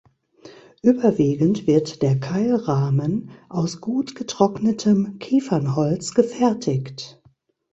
Überwiegend wird der Keilrahmen aus gut getrocknetem Kiefernholz gefertigt.